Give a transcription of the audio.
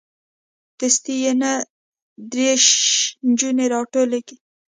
دستې یې نه دېرش نجونې راټولې کړې.